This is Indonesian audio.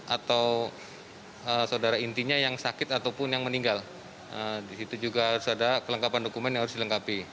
atau saudara intinya yang akan menengok saudaranya